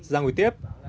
ra ngồi tiếp